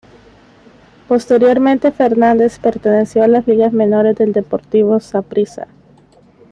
Posteriormente, Fernández perteneció a las ligas menores del Deportivo Saprissa.